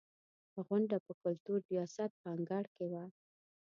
غونډه په کلتور ریاست په انګړ کې وه.